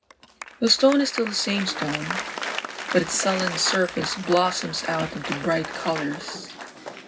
The stone is still the same stone ; but its sullen surface blossoms out into bright colours.